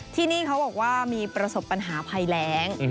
ที่นี่เขาบอกว่ามีประสบปัญหาภัยแรง